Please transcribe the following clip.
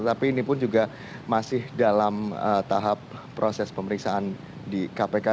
tapi ini pun juga masih dalam tahap proses pemeriksaan di kpk